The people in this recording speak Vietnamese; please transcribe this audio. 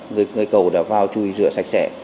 người cầu đã vào chùi rửa sạch sẽ